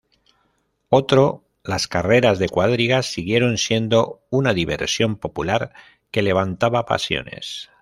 Otro, las carreras de cuadrigas siguieron siendo una diversión popular que levantaba pasiones.